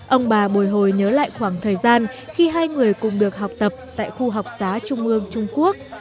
ông bà bồi hồi nhớ lại khoảng thời gian khi hai người cùng được học tập tại khu học xá trung ương trung quốc